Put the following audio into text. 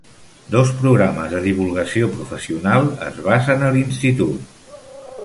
Dos programes de divulgació professional es basen a l'institut.